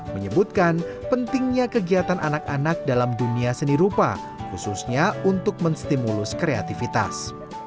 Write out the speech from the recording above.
menyebutkan pentingnya kegiatan anak anak dalam dunia seni rupa khususnya untuk menstimulus kreativitas